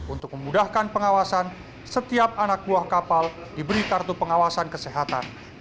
untuk memudahkan pengawasan setiap anak buah kapal diberi kartu pengawasan kesehatan